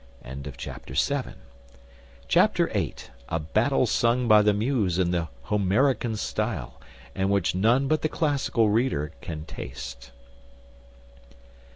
Chapter viii. A battle sung by the muse in the Homerican style, and which none but the classical reader can taste.